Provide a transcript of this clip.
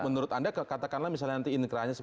menurut anda katakanlah misalnya nanti inkrahnya